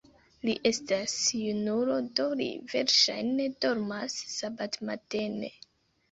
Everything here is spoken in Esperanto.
Li estas junulo, do li verŝajne dormas sabatmatene.